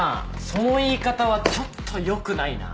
その言い方はちょっとよくないな。